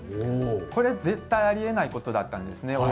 これ、絶対あり得ないことだったんですね。